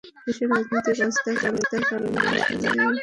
দেশের রাজনৈতিক অস্থিরতার কারণে নির্ধারিত সময়ে কাজ শেষ করা সম্ভব হয়নি।